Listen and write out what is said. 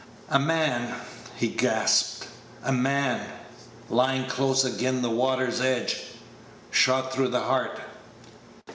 "A man!" he gasped; "a man lyin' close agen' the water's edge shot through the heart."